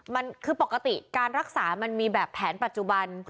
มันคือปกติการรักษามันมีแบบแผนปัจจุบัน